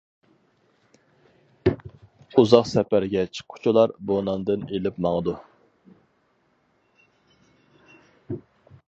ئۇزاق سەپەرگە چىققۇچىلار بۇ ناندىن ئېلىپ ماڭىدۇ.